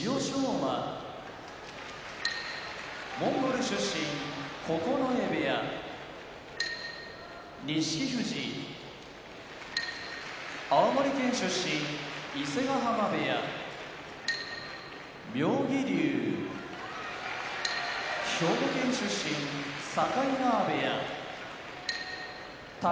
馬モンゴル出身九重部屋錦富士青森県出身伊勢ヶ濱部屋妙義龍兵庫県出身境川部屋宝